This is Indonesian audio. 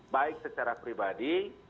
baik secara pribadi